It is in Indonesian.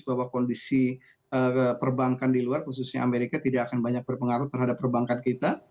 bahwa kondisi perbankan di luar khususnya amerika tidak akan banyak berpengaruh terhadap perbankan kita